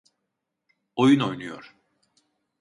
Oyun oynuyor.